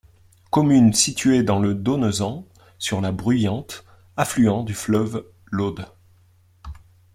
Commune située dans le Donezan sur la Bruyante, affluent du fleuve l'Aude.